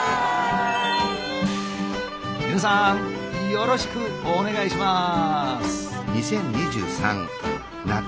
よろしくお願いします！